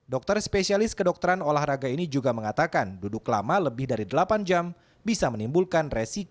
dokter spesialis kedokteran olahraga ini juga mengatakan duduk lama lebih dari delapan jam bisa menimbulkan resiko